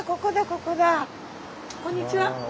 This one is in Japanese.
こんにちは。